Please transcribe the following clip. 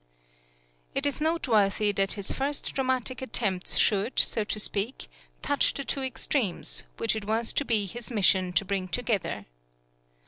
It is noteworthy that his first dramatic attempts should, so to speak, touch the two extremes, which it was to be his mission to bring together.